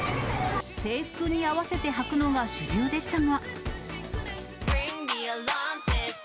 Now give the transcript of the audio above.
制服に合わせてはくのが主流でしたが。